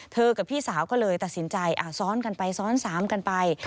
กับพี่สาวก็เลยตัดสินใจซ้อนกันไปซ้อน๓กันไป